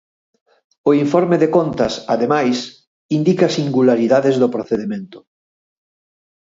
O informe de Contas, ademais, indica singularidades do procedemento.